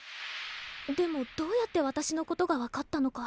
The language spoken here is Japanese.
でもどうやって私のことがわかったのか。